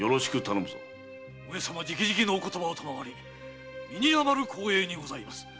上様直々のお言葉を賜り身に余る光栄にございます。